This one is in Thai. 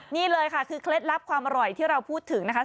นี่เลยค่ะคือเคล็ดลับความอร่อยที่เราพูดถึงนะคะ